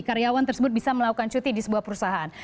karyawan tersebut bisa melakukan cuti di sebuah perusahaan